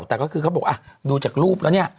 แต่ก็คือเขาบอกดูจากรูปแล้วเนี่ย